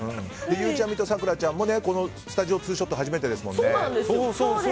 ゆうちゃみと咲楽ちゃんもスタジオ２ショット初めてですもんね。